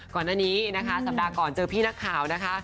ก่อนหน้านี้นะคะสัปดาห์ก่อนเจอพี่นักข่าวนะคะ